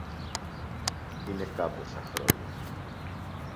Είναι κάμποσα χρόνια